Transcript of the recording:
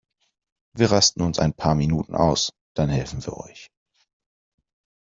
Wir rasten uns ein paar Minuten aus, dann helfen wir euch.